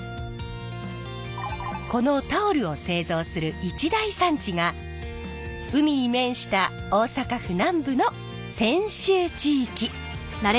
このタオルを製造する一大産地が海に面した大阪府南部の泉州地域。